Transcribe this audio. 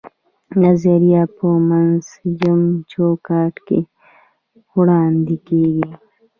نظریه په منسجم چوکاټ کې وړاندې کیږي.